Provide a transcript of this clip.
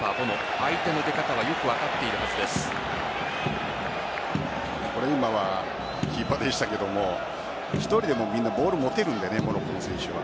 相手の出方は今はキーパーでしたけど１人でも、みんなボールを持てるのでモロッコの選手は。